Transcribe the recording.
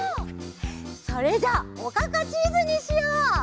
それじゃあおかかチーズにしよう！